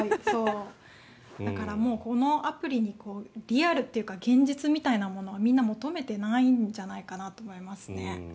だから、このアプリにリアルというか現実みたいなものはみんな求めてないんじゃないかなと思いますね。